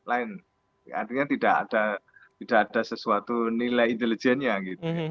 artinya tidak ada sesuatu nilai intelijennya gitu ya